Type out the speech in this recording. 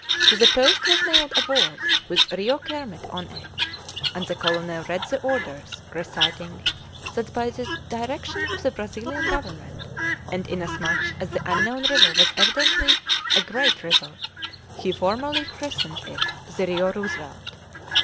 To the post was nailed a board with "Rio Kermit" on it; and the colonel read the orders reciting that by the direction of the Brazilian Government, and inasmuch as the unknown river was evidently a great river, he formally christened it the Rio Roosevelt.